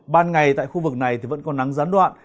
ban ngày tại khu vực này thì vẫn còn nắng gián đoạn